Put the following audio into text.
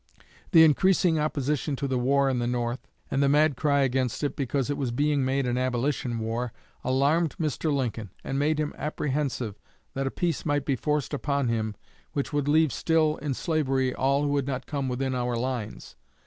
The increasing opposition to the war in the North, and the mad cry against it because it was being made an abolition war, alarmed Mr. Lincoln, and made him apprehensive that a peace might be forced upon him which would leave still in slavery all who had not come within our lines.